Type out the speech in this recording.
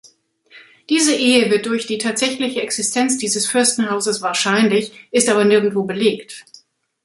Diese Ehe wird durch die tatsächliche Existenz dieses Fürstenhauses wahrscheinlich, ist aber nirgendwo belegt.